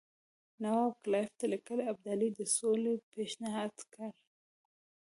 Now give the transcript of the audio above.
نواب کلایف ته لیکلي ابدالي د سولې پېشنهاد کړی.